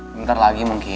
bentar lagi mungkin